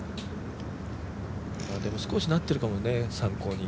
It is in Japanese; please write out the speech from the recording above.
でも少しなってるかもね参考に。